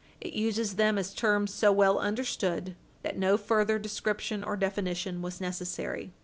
It uses them as terms so well understood that no further description or definition was necessary.